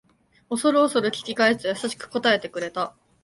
おそるおそる聞き返すと優しく答えてくれた